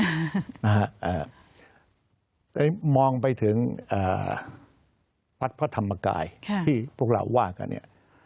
ตอนนี้มองไปถึงพัฒน์พระธรรมกายที่พวกเราว่ากันเนี่ย